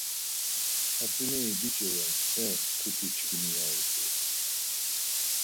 Hatzineri biç̌i ren, e mtuti çkimi ya utzu.